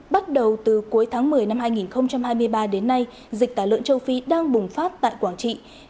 bắt đầu từ cuối tháng một mươi năm hai nghìn hai mươi ba đến nay dịch tả lợn châu phi đang bùng phát tại quảng trị